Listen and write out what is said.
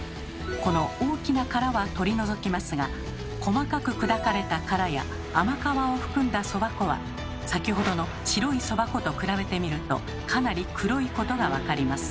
この大きな殻は取り除きますが細かく砕かれた殻や甘皮を含んだそば粉は先ほどの白いそば粉と比べてみるとかなり黒いことが分かります。